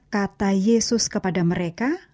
kata yesus kepada mereka